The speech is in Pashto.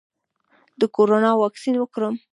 د کرونا واکسین وکړم؟